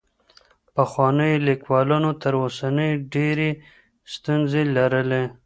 پخوانيو ليکوالانو تر اوسنيو ډېري ستونزې لرلې.